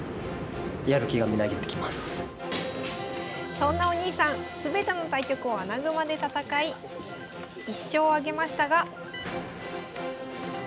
そんなお兄さん全ての対局を穴熊で戦い１勝を挙げましたが。